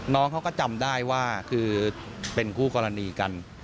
น้องเขาก็จำได้ว่าคือเป็นคู่กรณีกัน